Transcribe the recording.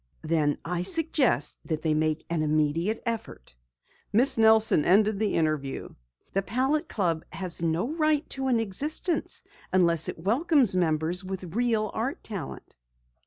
"Then I suggest that they make an immediate effort," Miss Nelson ended the interview. "The Palette Club has no right to an existence unless it welcomes members with real art talent."